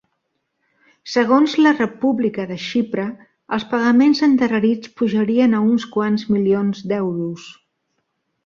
Segons la República de Xipre, els pagaments endarrerits pujarien a uns quants milions d'euros.